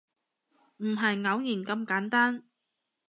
唔係偶然咁簡單